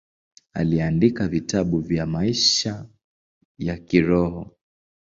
Aliandika vitabu vya maisha ya kiroho.